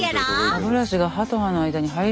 歯ブラシが歯と歯の間に入るんだ。